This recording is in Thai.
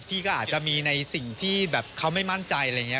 พี่ก็อาจจะมีในสิ่งที่แบบเขาไม่มั่นใจอะไรอย่างนี้